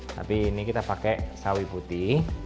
tapi ini kita pakai sawi putih